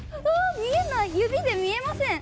見えない指で見えません。